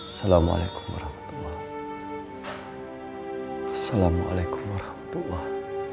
assalamualaikum warahmatullahi wabarakatuh